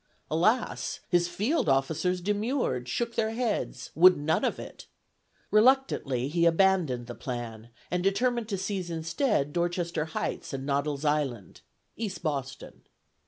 Alas! his field officers demurred, shook their heads, would none of it. Reluctantly he abandoned the plan, and determined to seize instead Dorchester Heights and Noddle's Island (East Boston).